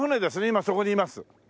今そこにいます。